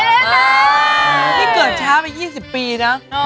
นี่เกิดช้าไป๒๐ปีนะ